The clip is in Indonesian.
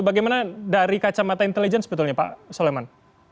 bagaimana dari kacamata intelijen sebetulnya pak soleman